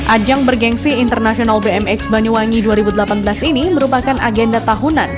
ajang bergensi international bmx banyuwangi dua ribu delapan belas ini merupakan agenda tahunan